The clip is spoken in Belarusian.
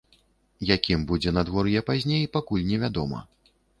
Якім будзе надвор'е пазней, пакуль невядома.